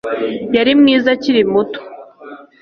Yari mwiza akiri muto